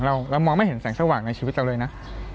เรามองไม่เห็นแสงสว่างในชีวิตเราเลยนะ